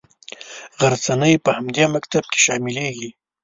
غرڅنۍ په همدې مکتب کې شاملیږي.